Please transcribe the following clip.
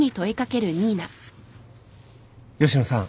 吉野さん。